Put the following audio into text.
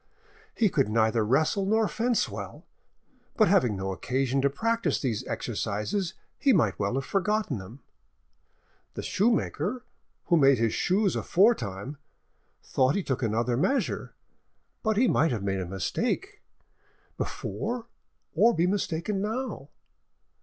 He could neither wrestle nor fence well, but having no occasion to practise these exercises he might well have forgotten them. The shoemaker—who made his shoes afore time, thought he took another measure, but he might have made a mistake before or be mistaken now.